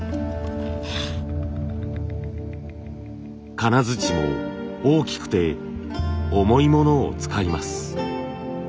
金づちも大きくて重いものを使います。